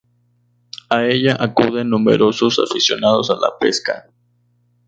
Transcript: A ella acuden numerosos aficionados a la pesca.